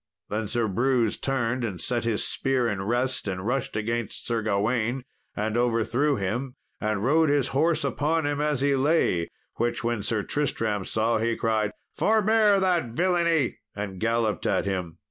Then Sir Brewse turned and set his spear in rest, and rushed against Sir Gawain and overthrew him, and rode his horse upon him as he lay, which when Sir Tristram saw, he cried, "Forbear that villainy," and galloped at him.